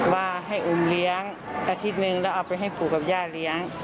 ว่าให้อุ้มเลี้ยงอาทิตย์นึงแล้วเอาไปให้ปู่กับย่าเลี้ยง